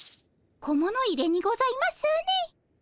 小物入れにございますね。